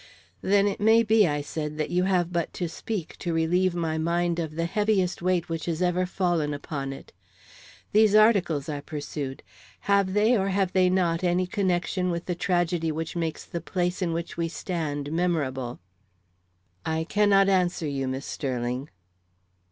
"Then it may be," I said, "that you have but to speak to relieve my mind of the heaviest weight which has ever fallen upon it. These articles," I pursued, "have they, or have they not, any connection with the tragedy which makes the place in which we stand memorable?" "I cannot answer you, Miss Sterling."